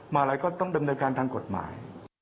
มาลัยก็ต้องดำเนินการทางกฎหมาย